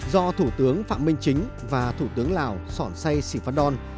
do thủ tướng phạm minh chính và thủ tướng lào sòn say sì phan đon